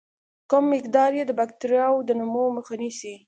کم مقدار یې د باکتریاوو د نمو مخه نیسي.